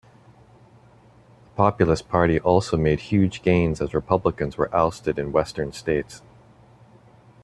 The Populist Party also made huge gains as Republicans were ousted in Western states.